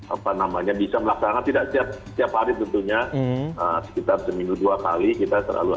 apa namanya bisa melaksanakan tidak setiap hari tentunya sekitar seminggu dua kali kita terlalu